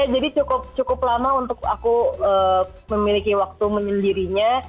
jadi cukup lama untuk aku memiliki waktu menyendirinya